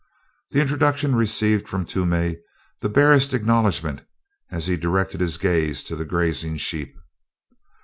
The introduction received from Toomey the barest acknowledgment as he directed his gaze to the grazing sheep.